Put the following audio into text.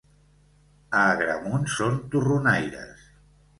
A Agramunt són torronaires.